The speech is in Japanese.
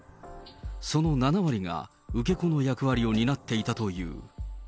その７割が受け子の役割を担っていたという。